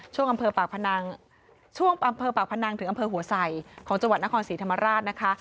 ช่วงอำเภอปากพนังถึงอำเภอหัวใส่ของจังหวัดนครศรีธรรมราชนะคะ